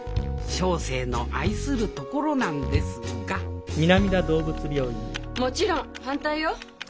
小生の愛するところなんですがもちろん反対よ。